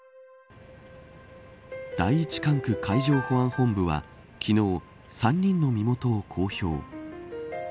第一管区海上保安本部は昨日３人の身元を公表。